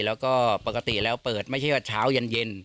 แล้วก็ปกติแล้วเปิดไม่ใช่ว่าเช้าเย็น